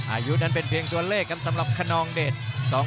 อายุนั้นเป็นเพียงตัวเลขสำหรับคณองเดชน์